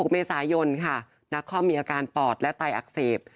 ๖เมษายนค่ะนักคอมมีอาการปอดและไตอักเสบ